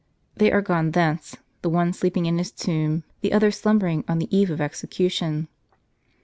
They are gone thence, the one sleeping in his tomb, the other slum bering on the eve of execution.